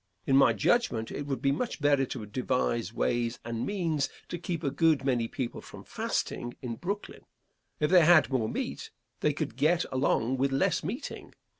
In my judgment, it would be much better to devise ways and means to keep a good many people from fasting in Brooklyn. If they had more meat, they could get along with less meeting.